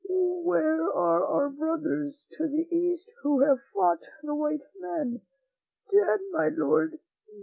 Where are our brothers to the East who have fought the white men? Dead, my Lord, dead.